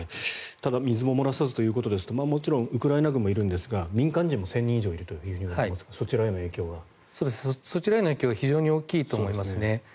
水も漏らさずということですがもちろんウクライナ軍もいるんですが民間人も１０００人以上いるといわれていますがそちらへの影響は相当大きいと思いますね。